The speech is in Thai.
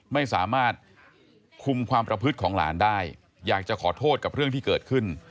ไม่สามารถคุมความประพฤติของหลานได้อยากจะขอโทษกับเรื่องที่เกิดขึ้น